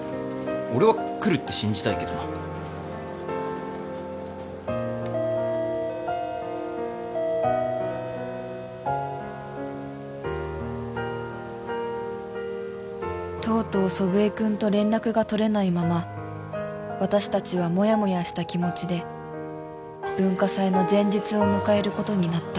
俺は来るって信じたいけどなとうとう祖父江君と連絡が取れないまま私達はモヤモヤした気持ちで文化祭の前日を迎えることになった